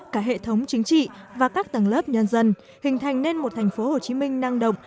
cả hệ thống chính trị và các tầng lớp nhân dân hình thành nên một thành phố hồ chí minh năng động